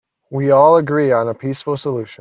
We all agree on a peaceful solution.